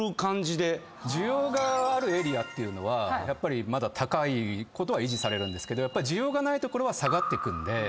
需要があるエリアってのはやっぱりまだ高いことは維持されるんですけどやっぱり需要がない所は下がっていくんで。